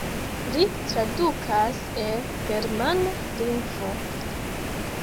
Li tradukas el germana lingvo.